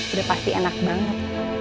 udah pasti enak banget